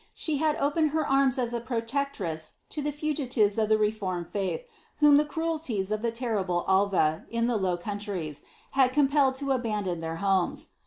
She had opened her arms as a protectress to the fugilirei of the reformed faith, whom the cruellies of the terrible Alva, in die Low Countries, had compelled to abandon their homes.